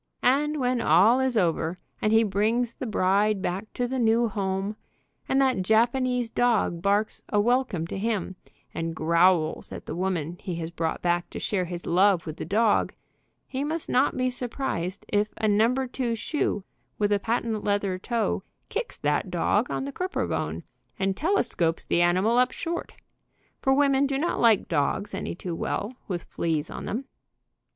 And when all is over, and he brings the bride back to the new home, and that Japanese dog barks a welcome to him, and growls at the woman he has brought back to share his love with the dog, he must not be surprised if a No. 2 shoe, with a patent leather toe, kicks that dog on the crouper bone and telescopes the animal up short, for women do not like dogs any too well, with fleas on them.